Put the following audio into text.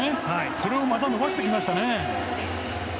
それをまた伸ばしてきましたね。